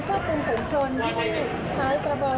มันกลัวเจอกับสรรหน้ากับคทางสถานการณ์